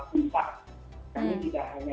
pintar kami tidak hanya